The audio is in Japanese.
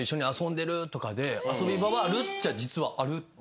遊び場はあるっちゃ実はあるなっていう。